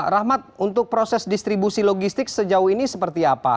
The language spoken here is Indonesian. rahmat untuk proses distribusi logistik sejauh ini seperti apa